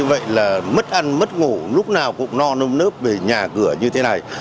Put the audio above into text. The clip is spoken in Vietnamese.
và mất ăn mất ngủ lúc nào cũng no nôm nớp về nhà cửa như thế này